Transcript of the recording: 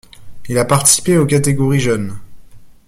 Il a participé aux catégories jeunes.